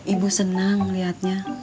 ibu senang melihatnya